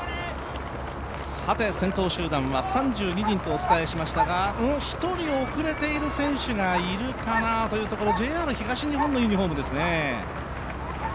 先頭集団は３２人とお伝えしましたが、１人遅れている選手がいるかなというところＪＲ東日本のユニフォームですね。